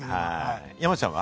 山ちゃんは？